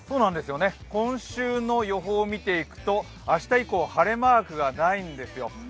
今週の予報を見ていくと、明日以降は晴れマークがないんですよ。